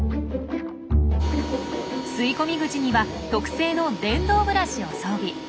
吸い込み口には特製の電動ブラシを装備。